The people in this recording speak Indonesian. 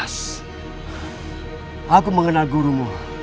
aku senang sekali bisa bertemu dengan murid dari perguruan mawar bodas